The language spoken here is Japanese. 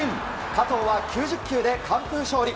加藤は９０球で完封勝利。